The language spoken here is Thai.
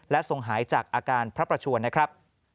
ทรงหายจากอาการพระประชวนนะครับ